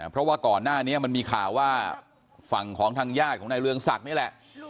เพราะว่าก่อนหน้านี้มันมีข่าวว่าฝั่งของทางญาติของนายเรืองศักดิ์นี่แหละ